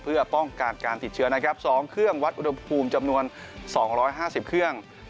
เพื่อป้องกันการติดเชื้อนะครับ๒เครื่องวัดอุณหภูมิจำนวน๒๕๐เครื่อง